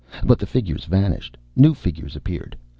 But the figures vanished. New figures appeared.